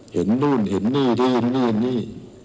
เห็นนู่นเห็นนี่นี่นี่นี่